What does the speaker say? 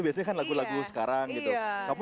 biasanya kan lagu lagu sekarang gitu kamu